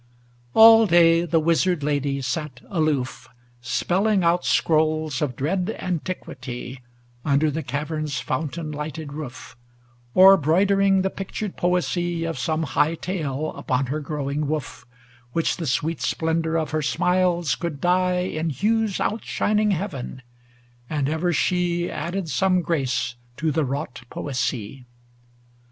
XXVI All day the Wizard Lady sate aloof. Spelling out scrolls of dread antiquity, Under the cavern's fountain lighted roof; Or broidering the pictured poesy Of some high tale upon her growing woof, Which the sweet splendor of her smiles could dye In hues outshining Heaven ŌĆö and ever she Added some grace to the wrought poesy.